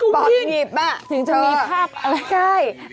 เป็นชั้นทกูวิ่งถึงจะมีภาพอะไรเหรอชั้นทกูวิ่ง